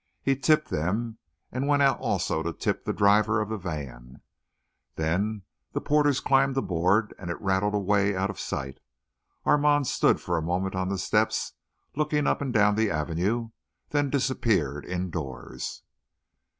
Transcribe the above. He tipped them and went out also to tip the driver of the van. Then the porters climbed aboard and it rattled away out of sight. Armand stood for a moment on the step, looking up and down the Avenue, then disappeared indoors.